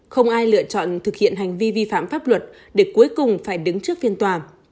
không ai lựa chọn thực hiện hành vi vi phạm pháp luật để cuối cùng phải đứng trước phiên tòa